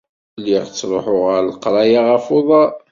Lliɣ ttruḥuɣ ɣer leqraya ɣef uḍar.